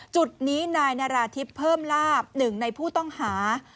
จุดนี้นายนาราธิบเพิ่มลาบหนึ่งในผู้ต้องหา